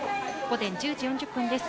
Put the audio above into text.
午前１０時４０分です。